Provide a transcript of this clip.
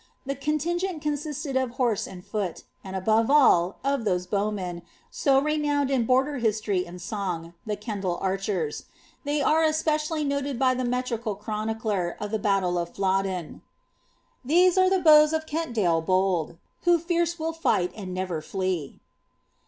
The contingent consisted of horse and foot, iod above all, of those bowmen, so renowned in border history and •ong, the Kendal archers. They are especially noted by the metrical cfarooicler of the battle of Flodden —" These are the bows of Kentdale bold, Who fierce will fight and never fice."